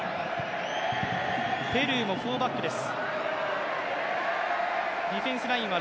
ペルーもフォーバックです。